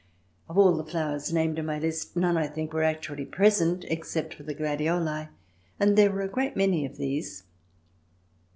Of all the flowers named in my list, none, I think, were actually present except the gladioli, and there were a great many of these.